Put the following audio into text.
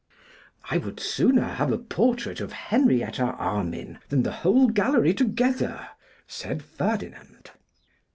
'I would sooner have a portrait of Henrietta Armine than the whole gallery together,' said Ferdinand.